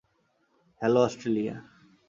Hello, Australia.